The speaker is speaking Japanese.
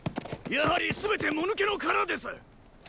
やはり全てもぬけのカラです！